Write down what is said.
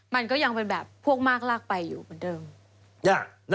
มันก็ยังเป็นแบบพวกมากลากไปอยู่เหมือนเดิม